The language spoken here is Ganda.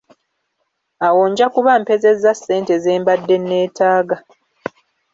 Awo nja kuba mpezezza ssente ze mbadde nneetaaga